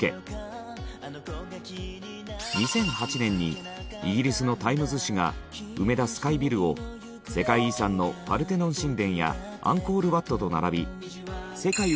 ２００８年にイギリスの『タイムズ』紙が梅田スカイビルを世界遺産のパルテノン神殿やアンコールワットと並び。